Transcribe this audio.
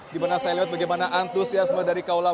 gimana saya lihat bagaimana antusiasme dari kawalan